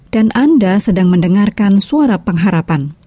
dan anda sedang mendengarkan suara pengharapan